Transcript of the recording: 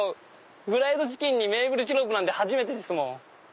フライドチキンにメープルシロップなんて初めてですもん。